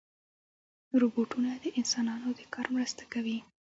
روبوټونه د انسانانو د کار مرسته کوي.